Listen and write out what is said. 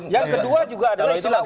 yang kedua juga adalah istilah